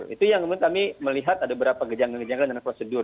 itu yang kemudian kami melihat ada beberapa kejanggalan kejanggalan dan prosedur